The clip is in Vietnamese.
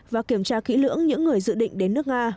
và kiểm tra kỹ lưỡng những người dự định đến nước nga